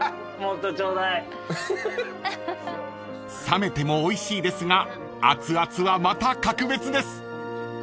［冷めてもおいしいですが熱々はまた格別です］